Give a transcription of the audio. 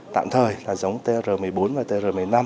tạm thời là giống tr một mươi bốn và tr một mươi năm